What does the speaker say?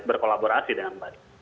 berkolaborasi dengan baik